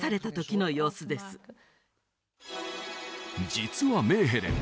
実はメーヘレン